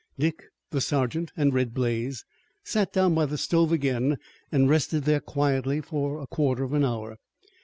Dick, the sergeant, and Red Blaze sat down by the stove again, and rested there quietly for a quarter of an hour.